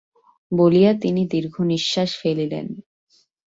বলিয়া তিনি দীর্ঘনিশ্বাস ফেলিলেন।